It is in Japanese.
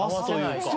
そう！